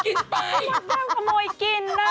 เขาเริ่มกำลังกระโมยกินอ่ะ